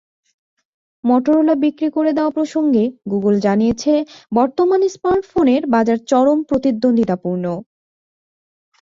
Motorola বিক্রি করে দেওয়া প্রসঙ্গে গুগল জানিয়েছে, বর্তমানে স্মার্টফোনের বাজার চরম প্রতিদ্বন্দ্বিতাপূর্ণ।